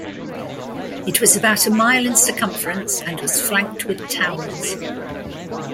It was about a mile in circumference and was flanked with towers.